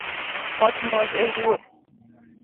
Mos mos e wuoth